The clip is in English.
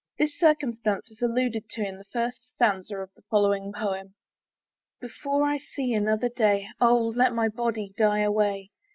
This circumstance is alluded to in the first stanza of the following poem._] Before I see another day, Oh let my body die away!